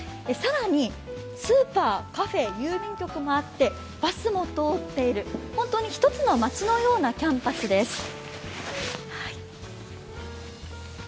更に、スーパー、カフェ、郵便局もあって、バスも通っている、本当に一つの街のようなキャンパスです。